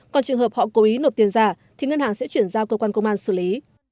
còn trường hợp họ cố ý nộp tiền giả thì ngân hàng sẽ chuyển giao cơ quan công an xử lý